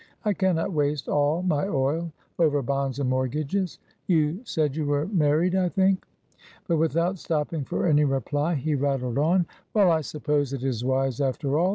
I can not waste all my oil over bonds and mortgages. You said you were married, I think?" But without stopping for any reply, he rattled on. "Well, I suppose it is wise after all.